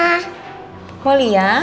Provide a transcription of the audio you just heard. ma aku juga mau liat oma